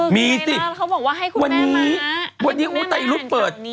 มีสิวันนี้อุ๊ตัยรุ่นเปิด